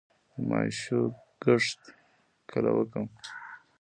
د ماشو کښت کله وکړم؟